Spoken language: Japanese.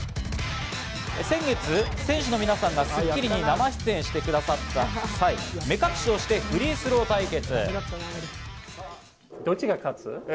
先月、選手の皆さんが『スッキリ』に生出演してくださった際、目隠しをしてフリースロー対決。